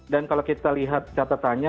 dan kalau kita lihat catatannya